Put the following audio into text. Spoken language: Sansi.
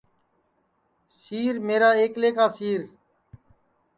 سِیر میرا ایکلے کا سِیر